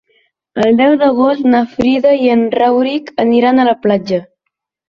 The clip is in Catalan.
El deu d'agost na Frida i en Rauric aniran a la platja.